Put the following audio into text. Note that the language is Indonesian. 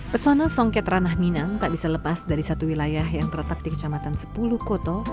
pesona songket ranah minang tak bisa lepas dari satu wilayah yang terletak di kecamatan sepuluh koto